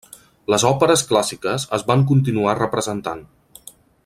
Les òperes clàssiques es van continuar representant.